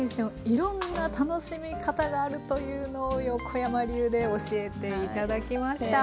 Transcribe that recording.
いろんな楽しみ方があるというのを横山流で教えて頂きました。